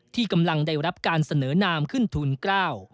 ที่กำลังได้รับการเสนอนามขึ้นทุนกล้า